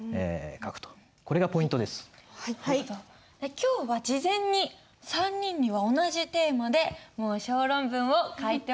今日は事前に３人には同じテーマでもう小論文を書いてもらっています。